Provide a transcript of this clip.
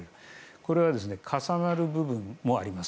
これは重なる部分もあります。